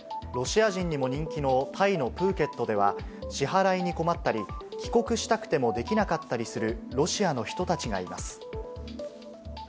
ロシア人にも人気のタイのプーケットでは、支払いに困ったり、帰国したくてもできなかったりするロシアの人たちがいます。